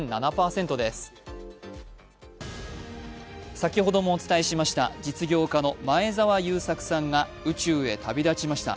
先ほどもお伝えしました実業家の前澤友作さんが宇宙へ飛び立ちました。